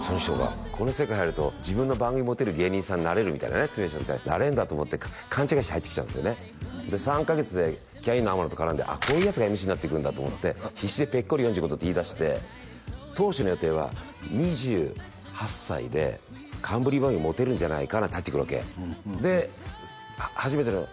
その人がこの世界入ると自分の番組持てる芸人さんになれるみたいなねなれんだと思って勘違いして入ってきちゃうんですよねで３カ月でキャインの天野と絡んでこういうヤツがＭＣなっていくんだと思って必死でぺっこり４５度って言いだして当初の予定は２８歳で冠番組持てるんじゃないかなんて入ってくるわけで初めてのね